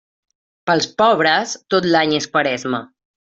Per als pobres, tot l'any és Quaresma.